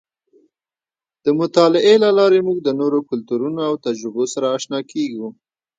د مطالعې له لارې موږ د نورو کلتورونو او تجربو سره اشنا کېږو.